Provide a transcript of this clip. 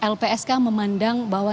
lpsk memandang bahwa nanti